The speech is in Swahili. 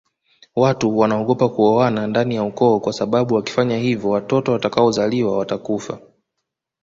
Watu wnaogopa kuoana ndani ya ukoo kwasababu wakifanya hivyo watoto watakaozaliwa watakufa